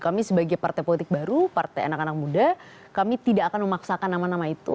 kami sebagai partai politik baru partai anak anak muda kami tidak akan memaksakan nama nama itu